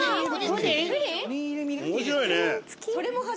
面白いね。